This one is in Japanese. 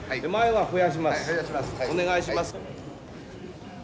お願いします。